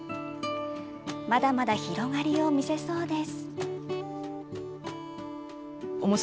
まだまだ広がりを見せそうです。